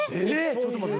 ちょっと待って。